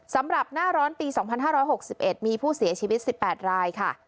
สำหรับหน้าร้อนปี๒๕๖๑มีผู้เสียชีวิต๑๘รายค่ะ